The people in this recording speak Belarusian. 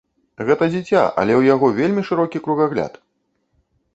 Гэта дзіця, але ў яго вельмі шырокі кругагляд!